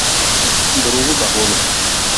Bi ruugu ba hoolgu.